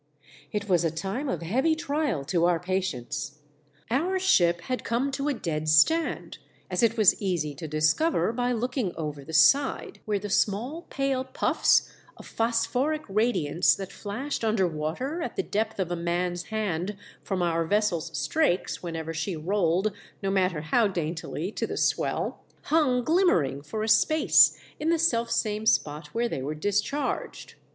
It was a time of heavy trial to our patience. Our ship had come to a dead stand, as it was easy to discover by looking over the side, where the small, pale puffs of phosphoric radiance that flashed under water at the depth of a man's hand from our vessel's strakes whenever she rolled, no matter how daintily, to the swell, hung glimmering for a space in the selfsame spot where they were discharged.